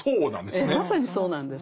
ええまさにそうなんです。